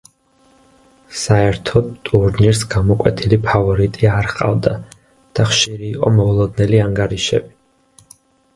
საერთოდ ტურნირს გამოკვეთილი ფავორიტი არ ჰყავდა და ხშირი იყო მოულოდნელი ანგარიშები.